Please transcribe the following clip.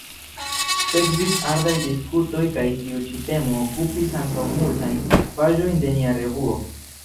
Sekvis ardaj diskutoj kaj tiu ĉi temo okupis ankaŭ multajn paĝojn de nia revuo.